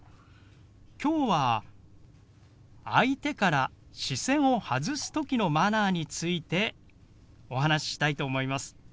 きょうは相手から視線を外す時のマナーについてお話ししたいと思います。